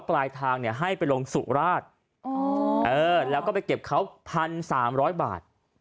ปลายทางให้ไปลงสุราชแล้วก็ไปเก็บเขา๑๓๐๐บาท